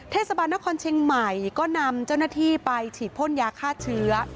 เทศบาลนครเชียงใหม่ก็นำเจ้าหน้าที่ไปฉีดพ่นยาฆ่าเชื้อ